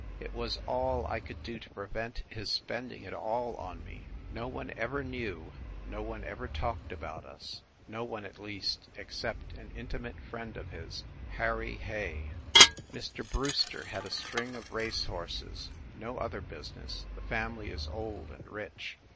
It was all I could do to prevent his spending it all on me. No one ever knew, no one ever talked about us no one at least, except an intimate friend of his, Harry Hay. SCHEFFEL HALL 33 Mr. Brewster had a string of race horses no other business the family is old, and rich.